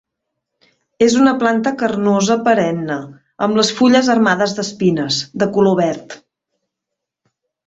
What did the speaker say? És una planta carnosa perenne amb les fulles armades d'espines, de color verd.